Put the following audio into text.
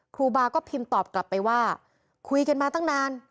ครูบาก็พิมพ์ตอบกลับไปว่าคุยกันมาตั้งนาน